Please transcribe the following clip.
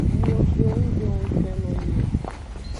Miwo gbewo nggbe wo ngukpe no mi o.